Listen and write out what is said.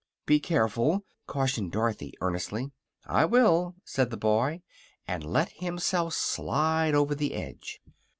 "Be careful," cautioned Dorothy, earnestly. "I will," said the boy, and let himself slide over the edge.